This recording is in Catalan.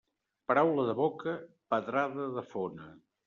Paraula de boca, pedrada de fona.